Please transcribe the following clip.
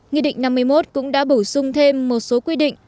nghị định năm mươi một cũng đã bổ sung thêm một số quy định